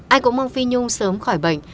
ai cũng mong phi nhung sớm khỏi bệnh